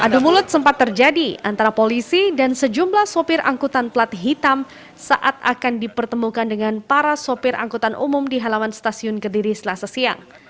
adu mulut sempat terjadi antara polisi dan sejumlah sopir angkutan plat hitam saat akan dipertemukan dengan para sopir angkutan umum di halaman stasiun kediri selasa siang